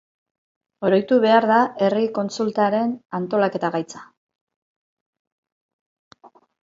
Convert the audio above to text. Oroitu behar da herri kontsultaren antolaketa gaitza.